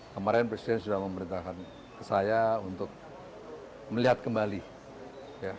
kemarin presiden sudah memerintahkan ke saya untuk melihat kembali ya